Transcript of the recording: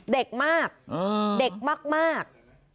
เด็กมากเด็กมาก